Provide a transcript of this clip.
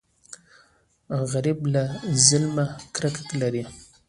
غریب له ظلمه کرکه لري